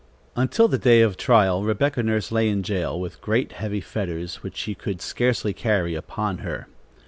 Until the day of trial, Rebecca Nurse lay in jail, with great, heavy fetters, which she could scarcely carry, upon her.